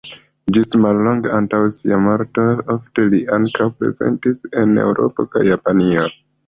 Ĝis mallonge antaŭ sia morto ofte li ankaŭ prezentis en Eŭropo kaj Japanujo.